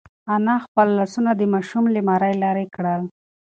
انا خپل لاسونه د ماشوم له مرۍ لرې کړل.